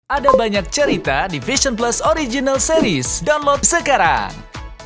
ada banyak cerita di vision plus original series download sekarang